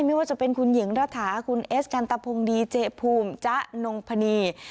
ไม่ว่าจะเป็นคุณหญิงรัฐาคุณเอสกันตะพงดีเจภูมิจ๊ะนงพนี